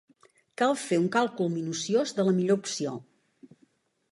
Cal fer un càlcul minuciós de la millor opció.